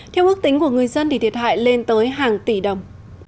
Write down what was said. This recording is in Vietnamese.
theo ước tính của người dân thì thiệt hại lên tới hàng tỷ đồng